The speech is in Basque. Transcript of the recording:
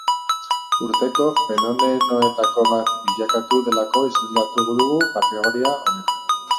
Urteko fenonenoetako bat bilakatu delako izendatu dugu kategoria honetan.